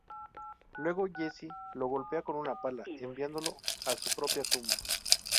Luego, Jesse lo golpea con una pala, enviándolo a su propia tumba.